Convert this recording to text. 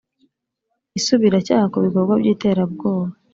Isubiracyaha ku bikorwa by’iterabwoba